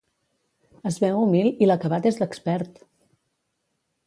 Es veu humil i l'acabat és d'expert!